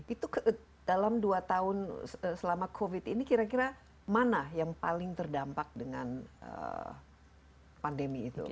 itu dalam dua tahun selama covid ini kira kira mana yang paling terdampak dengan pandemi itu